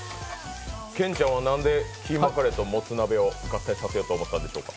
ケンチャンはなんでキーマカレーともつ鍋を合体させようと思ったんですか？